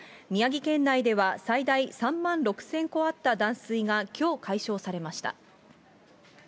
宮城県内では最大３万６０００戸あった断水がきょう解消されました。